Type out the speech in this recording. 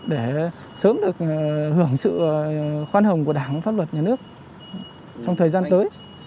để sớm được hưởng sự khoan hồng của đảng pháp luật nhà nước trong thời gian tới